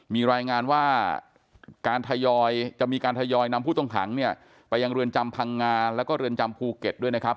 มีรายงานว่าจะมีการทยอยนำผู้ต้องขังไปยังเรือนจำพังงานและเรือนจำภูเก็ตด้วยนะครับ